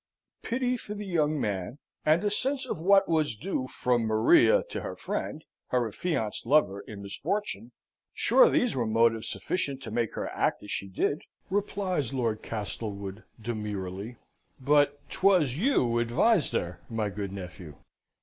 "Pity for the young man, and a sense of what was due from Maria to her friend her affianced lover in misfortune, sure these were motives sufficient to make her act as she did," replies Lord Castlewood, demurely. "But 'twas you advised her, my good nephew?"